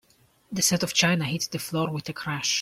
The set of china hit the floor with a crash.